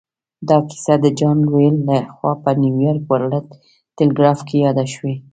دا کیسه د جان لویل لهخوا په نیویارک ورلډ ټیليګراف کې یاده شوې